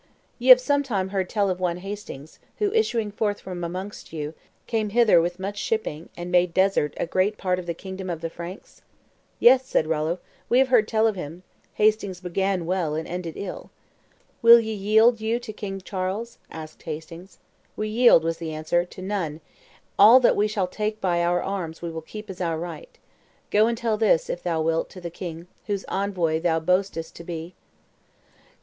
"Ye have sometime heard tell of one Hastings, who, issuing forth from amongst you, came hither with much shipping and made desert a great part of the kingdom of the Franks?" "Yes," said Rollo, "we have heard tell of him; Hastings began well and ended ill." "Will ye yield you to King Charles?" asked Hastings. "We yield," was the answer, "to none; all that we shall take by our arms we will keep as our right. Go and tell this, if thou wilt, to the king, whose envoy thou boastest to be."